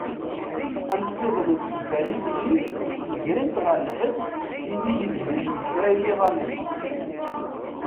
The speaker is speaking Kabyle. Amsiḍen n tkebbanit-nni gren-t ɣer lḥebs imi yenbec deg kra imiḍanen.